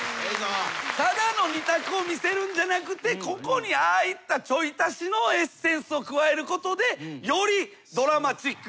ただの二択を見せるんじゃなくてここにああいったちょい足しのエッセンスを加えることでよりドラマチックに。